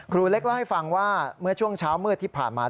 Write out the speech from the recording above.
ครูเล็กเล่าให้ฟังว่าเมื่อช่วงเช้ามืดที่ผ่านมา